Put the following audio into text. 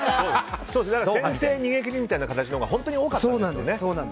先制逃げ切りみたいな形が本当に多かったんですよね。